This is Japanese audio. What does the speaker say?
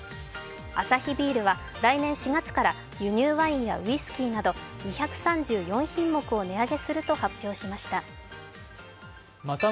アサヒビールは来年４月から輸入ワインやウイスキーなど２３４品目を値上げすると発表しました。